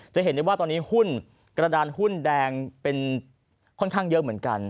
จะเห็นได้ว่าตอนนี้หุ้นกระดานหุ้นแดงเป็นค่อนข้างเยอะเหมือนกัน